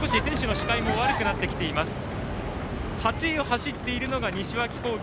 ８位を走っているのが西脇工業。